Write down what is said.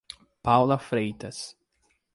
Paula Freitas